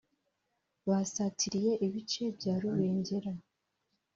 Basatiriye ibice bya Rubengera